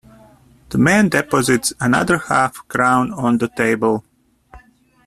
The man deposits another half-crown on the table.